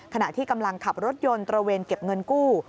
ขณะที่กำลังขับรถยนต์ตระเวนเก็บเงินกู้